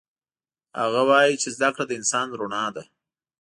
هغه وایي چې زده کړه د انسان رڼا ده